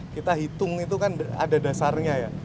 kita hitung itu kan ada dasarnya ya